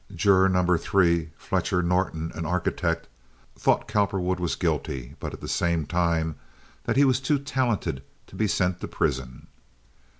Juror No. 3, Fletcher Norton, an architect, thought Cowperwood was guilty, but at the same time that he was too talented to be sent to prison.